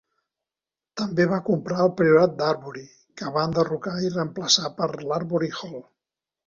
També va comprar el Priorat d'Arbury, que va enderrocar i reemplaçar per l'Arbury Hall.